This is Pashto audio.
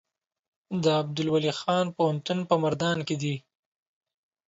د عبدالولي خان پوهنتون په مردان کې دی